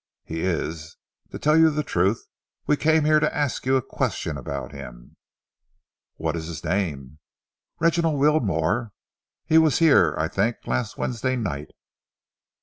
"He is. To tell you the truth, we came here to ask you a question about him." "What is his name?" "Reginald Wilmore. He was here, I think, last Wednesday night."